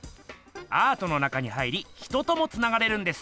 アートの中に入り人ともつながれるんです。